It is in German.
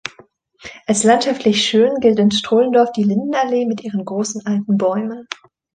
Als landschaftlich schön gilt in Strullendorf die Lindenallee mit ihren großen alten Bäumen.